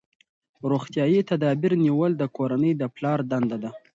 روغتیايي تدابیر نیول د کورنۍ د پلار دنده ده.